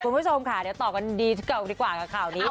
คุณผู้ชมค่ะเดี๋ยวต่อกันดีเก่าดีกว่ากับข่าวนี้